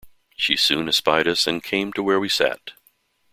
She soon espied us and came to where we sat.